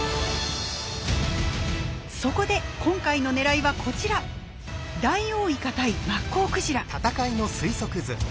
そこで今回の狙いはこちらダイオウイカ対マッコウクジラ。